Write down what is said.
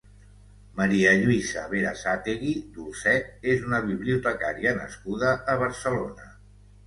Maria Lluïsa Berasategui Dolcet és una bibliotecària nascuda a Barcelona.